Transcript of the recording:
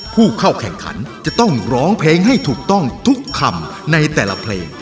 ผู้เข้าแข่งขันจะต้องร้องเพลงให้ถูกต้องทุกคำในแต่ละเพลง